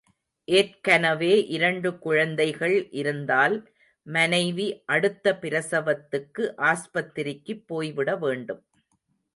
ஏற்கனவே இரண்டு குழந்தைகள் இருந்தால் மனைவி அடுத்த பிரசவத்துக்கு ஆஸ்பத்திரிக்குப் போய்விட வேண்டும்.